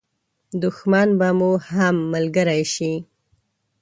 دښمن به مو هم ملګری شي.